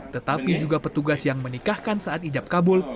tetapi juga petugas yang menikahkan saat ijab kabul